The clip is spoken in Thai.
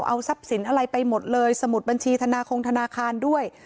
เอาทรัพย์สินอะไรไปหมดเลยสมุดบัญชีธนาคงธนาคารด้วย